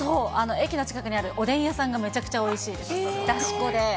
駅の近くにあるおでん屋さんがめちゃくちゃおいしいです。